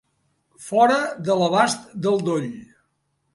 Fora de l'abast del doll.